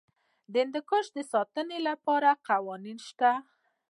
د هندوکش د ساتنې لپاره قوانین شته.